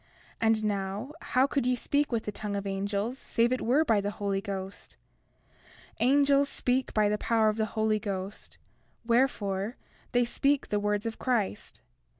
And now, how could ye speak with the tongue of angels save it were by the Holy Ghost? 32:3 Angels speak by the power of the Holy Ghost; wherefore, they speak the words of Christ.